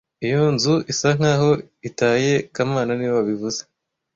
Iyo nzu isa nkaho itaye kamana niwe wabivuze